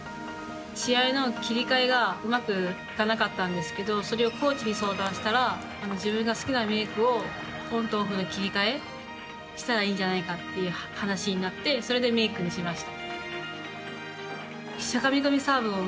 試合の切り替えがうまくいかなかったんですけどそれをコーチに相談したら自分が好きなメイクをオンとオフで切り替えしたらいいじゃないかという話になってそれでメイクにしました。